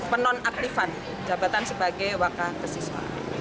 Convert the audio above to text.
penon aktifan jabatan sebagai wakil siswa